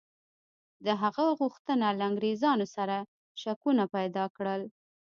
د هغه غوښتنه له انګرېزانو سره شکونه پیدا کړل.